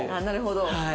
なるほど。